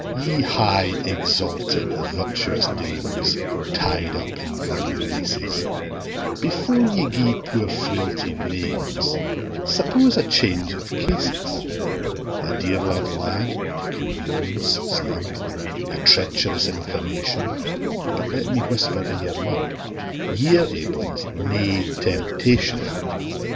Ye high, exalted, virtuous dames, Tied up in godly laces, Before ye gie poor Frailty names, Suppose a change o' cases; A dear lov'd lad, convenience snug, A treach'rous inclination But let me whisper i' your lug, Ye're aiblins nae temptation.